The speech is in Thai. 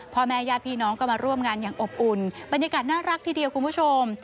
พ่อแม่ญาติพี่น้องก็มาร่วมงานอย่างอบอุ่นบรรยากาศน่ารักทีเดียวคุณผู้ชม